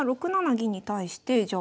銀に対してじゃあ